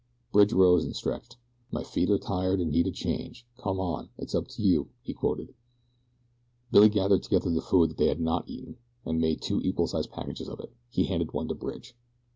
Bridge rose and stretched. "'My feet are tired and need a change. Come on! It's up to you!'" he quoted. Billy gathered together the food they had not yet eaten, and made two equal sized packages of it. He handed one to Bridge.